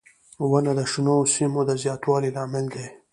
• ونه د شنو سیمو د زیاتوالي لامل دی.